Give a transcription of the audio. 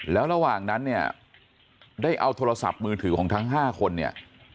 แล้วระหว่างนั้นเนี่ยได้เอาโทรศัพท์มือถือของทั้ง๕คนเนี่ย